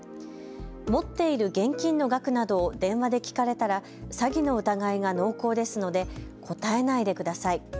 持っている現金の額などを電話で聞かれたら詐欺の疑いが濃厚ですので答えないでください。